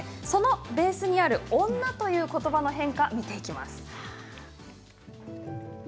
そのベースにある女ということばの変化を見ていきます。